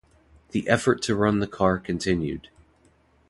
The effort to run the car continued.